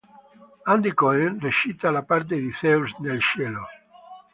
Andy Cohen recita la parte di Zeus nel cielo.